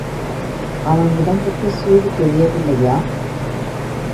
அவன் உடம்புக்குச் சூடு தெரியவில்லையா?